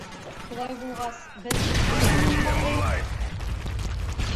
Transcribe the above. Шулай булғас, беҙ Кеше янына барайыҡ.